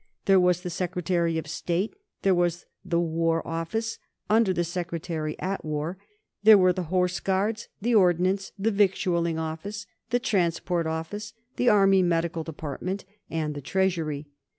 There was the Secretary of State; there was the War Office (under the Secretary at War); there were the Horse Guards, the Ordnance, the Victualling Office, the Transport Office, the Army Medical Department, and the Treasury.